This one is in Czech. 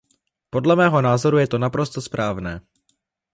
Podle mého názoru je to naprosto správné.